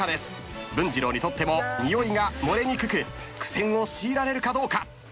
文治郎にとってもにおいが漏れにくく苦戦を強いられるかどうか。